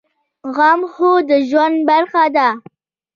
غم هم د ژوند برخه ده